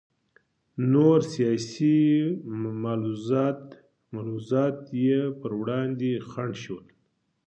نور سیاسي ملحوظات یې پر وړاندې خنډ شول.